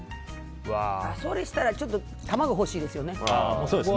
それしたら卵欲しいですよね。